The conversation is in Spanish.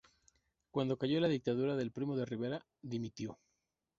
Cuando cayó la dictadura de Primo de Rivera dimitió.